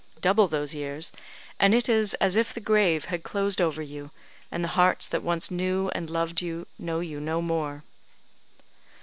Double those years, and it is as if the grave had closed over you, and the hearts that once knew and loved you know you no more.